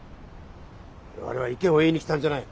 我々は意見を言いに来たんじゃない。